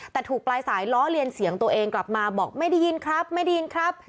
แต่ถูกปลายสายล้อเลียนเสียงตัวเองกลับมาบอกไม่ได้ยินครับไม่ได้ยินครับ